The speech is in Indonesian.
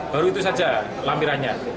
baru itu saja lampirannya